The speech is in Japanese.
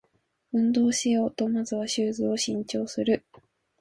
運動しようとまずはシューズを新調する